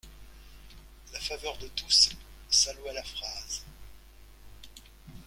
La faveur de tous salua la phrase.